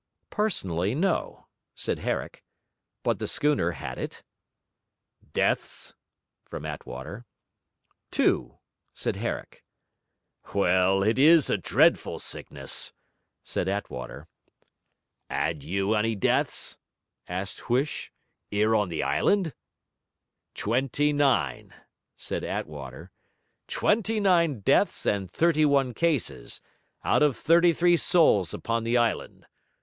'Personally, no,' said Herrick. 'But the schooner had it.' 'Deaths?' from Attwater. 'Two,' said Herrick. 'Well, it is a dreadful sickness,' said Attwater. ''Ad you any deaths?' asked Huish, ''ere on the island?' 'Twenty nine,' said Attwater. 'Twenty nine deaths and thirty one cases, out of thirty three souls upon the island.